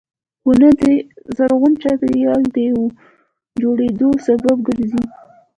• ونه د زرغون چاپېریال د جوړېدو سبب ګرځي.